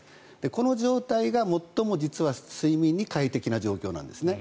この状態が最も実は睡眠に快適な状況なんですね。